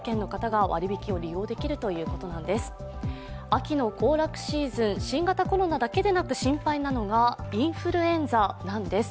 秋の行楽シーズン、新型コロナだけでなく心配なのがインフルエンザなんです。